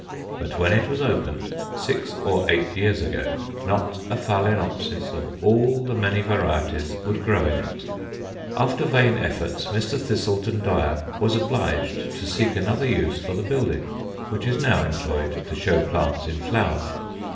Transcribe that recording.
But when it was opened, six or eight years ago, not a Phaloenopsis of all the many varieties would grow in it; after vain efforts, Mr. Thiselton Dyer was obliged to seek another use for the building, which is now employed to show plants in flower.